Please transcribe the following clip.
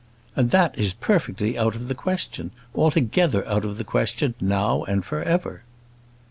"And that is perfectly out of the question; altogether out of the question, now and for ever."